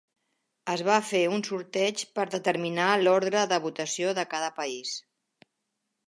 Es va fer un sorteig per determinar l'ordre de votació de cada país.